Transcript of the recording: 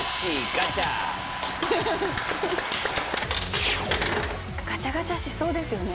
ガチャガチャしそうですよね。